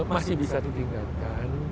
masih bisa ditingkatkan